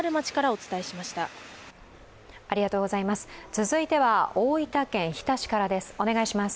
続いては大分県日田市からです。